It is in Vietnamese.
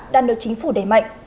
đang được chính phủ đẩy mạnh